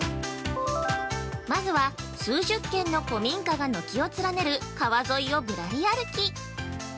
まずは数十軒の古民家が軒を連ねる川沿いをぶらり歩き。